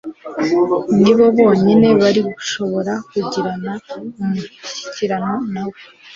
ni bo bonyine bari gushobora kugirana umushyikirano na we.